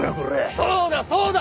そうだそうだ！